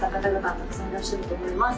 たくさんいらっしゃると思います